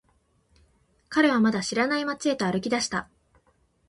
彼はまだ知らない街へと歩き出した。